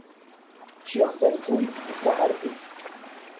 Ččiɣ tamtunt d taḥerfit.